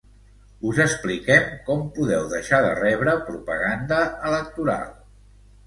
Us expliquem com podeu deixar de rebre propaganda electoral.